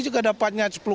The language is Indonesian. juga dapatnya sepuluh karung